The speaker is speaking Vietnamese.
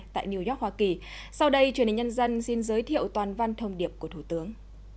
tại new york hoa kỳ sau đây truyền hình nhân dân xin giới thiệu toàn văn thông điệp của thủ tướng